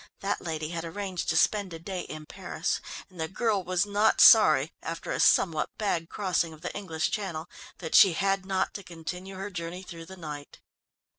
That lady had arranged to spend a day in Paris, and the girl was not sorry, after a somewhat bad crossing of the English Channel, that she had not to continue her journey through the night.